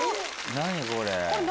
何これ⁉